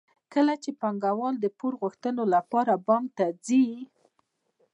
کله چې پانګوال د پور غوښتلو لپاره بانک ته ځي